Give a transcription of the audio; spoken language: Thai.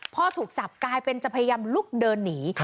พอถูกจับกลายเป็นจะพยายามลุกเดินหนี